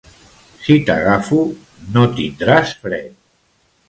Si t'agafo, no tindràs fred!